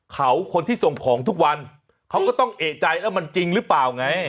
เขาคนที่ส่งของทุกวันเขาก็ต้องเอกใจแล้วมันจริงหรือเปล่าไง